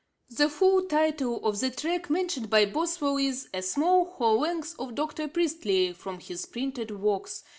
The full title of the tract mentioned by Boswell is, A small Whole Length of Dr. Priestley from his Printed Works.